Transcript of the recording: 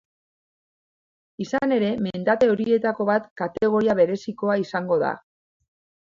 Izan ere, mendate horietako bat kategoria berezikoa izango da.